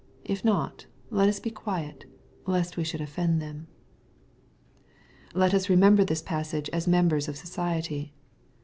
If not, let us be quiet, " lest we should offend them." Let us remember this passage as members of society.